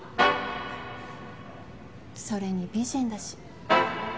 それに美人だし。